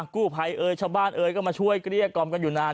กู้ภัยเอ่ยชาวบ้านเอ่ยก็มาช่วยเกลี้ยกล่อมกันอยู่นาน